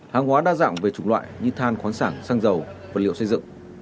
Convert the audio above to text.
hàng hóa đa dạng về chủng loại như than khoáng sản xăng dầu vật liệu xây dựng